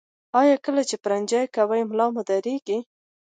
ایا کله چې پرنجی کوئ ملا مو دردیږي؟